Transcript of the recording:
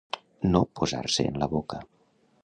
No posar-se en la boca.